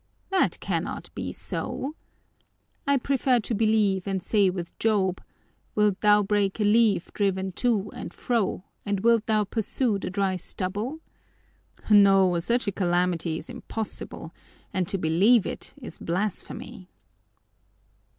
That cannot be so! I prefer to believe and say with Job: 'Wilt thou break a leaf driven to and fro, and wilt thou pursue the dry stubble?' No, such a calamity is impossible and to believe it is blasphemy!"